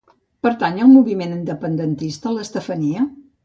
Pertany al moviment independentista l'Estefania?